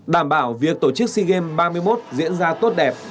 đảm bảo việc tổ chức sea games ba mươi một diễn ra tốt đẹp